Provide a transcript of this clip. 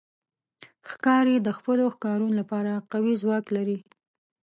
ښکاري د خپلو ښکارونو لپاره قوي ځواک لري.